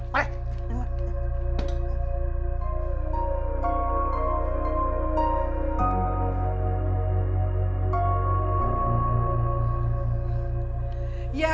masih ga usah